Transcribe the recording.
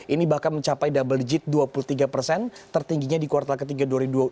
ini bahkan mencapai double digit dua puluh tiga persen tertingginya di kuartal ketiga dua ribu dua puluh